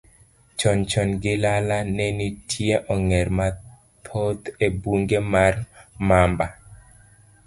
Chon chon gilala, ne nitie ong'er mathoth e bungu mar Mamba.